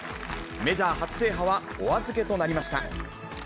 メジャー初制覇はお預けとなりました。